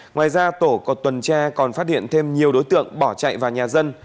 ngoài ra tổ còn tuần tra còn phát hiện thêm nhiều đối tượng bỏ chạy vào nhà dân